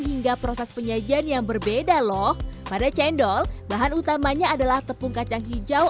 hingga proses penyajian yang berbeda loh pada cendol bahan utamanya adalah tepung kacang hijau